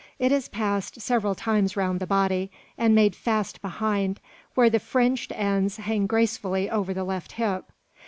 It is passed several times round the body, and made fast behind, where the fringed ends hang gracefully over the left hip.